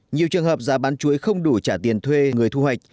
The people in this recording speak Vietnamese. nhiều trường hợp giá bán chuối không đủ trả tiền thuê người thu hoạch